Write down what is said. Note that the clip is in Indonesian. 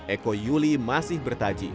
eko yuli masih bertaji